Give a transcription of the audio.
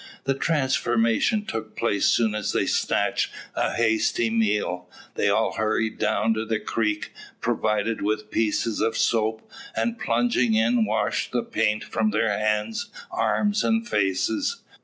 The transformation took place soon as they snatched a hasty meal. Then all hurried down to the creek, provided with pieces of soap; and plunging in, washed the paint from their hands, arms, and faces.